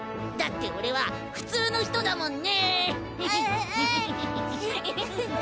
だって俺は普通の人だもんね。